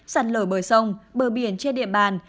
sẵn lở bờ sông bờ biển trên địa bàn